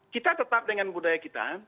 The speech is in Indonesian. kita tetap dengan budaya kita